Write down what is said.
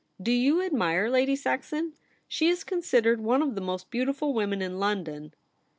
' Do you admire Lady Saxon ? She is con sidered one of the most beautiful women in London.'